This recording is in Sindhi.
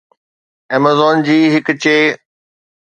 Amazon جي هڪ چي